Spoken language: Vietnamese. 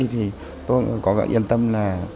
thì tôi cũng có yên tâm là